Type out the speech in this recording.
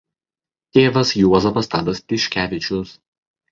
Tėvas Juozapas Tadas Tiškevičius.